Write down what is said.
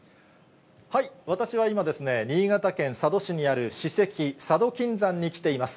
私は今、新潟県佐渡市にある史跡、佐渡金山に来ています。